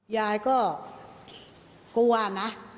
ยายก็กลัวนะ